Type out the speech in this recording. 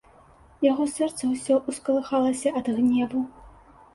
Яго сэрца ўсё ўскалыхалася ад гневу.